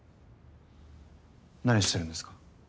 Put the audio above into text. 何してるんですか？